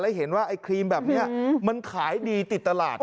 เห็นว่าไอ้ครีมแบบนี้มันขายดีติดตลาด